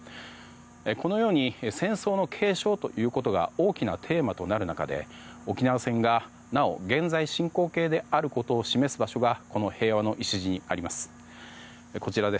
このように戦争の継承ということが大きなテーマとなる中で沖縄戦がなお現在進行形であることを示す場所がこの平和の礎にあります。